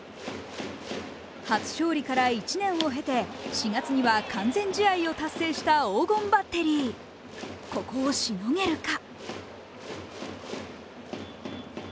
初勝利から１年を経て、４月には完全試合を達成した黄金バッテリーここをしのげるか。